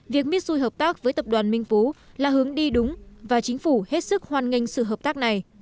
việc mitsui hợp tác với tập đoàn minh phú là hướng đi đúng và chính phủ hết sức hoan nghênh sự hợp tác này